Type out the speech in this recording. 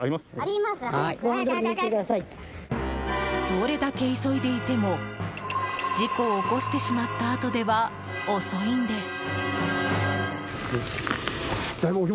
どれだけ急いでいても事故を起こしてしまったあとでは遅いんです。